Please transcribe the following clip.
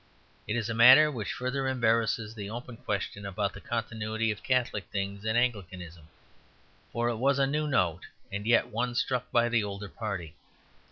It is a matter which further embarrasses the open question about the continuity of Catholic things in Anglicanism, for it was a new note and yet one struck by the older party.